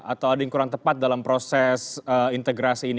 atau ada yang kurang tepat dalam proses integrasi ini